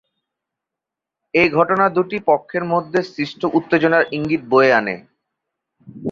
এ ঘটনা দুটি পক্ষের মধ্যে সৃষ্ট উত্তেজনার ইঙ্গিত বয়ে আনে।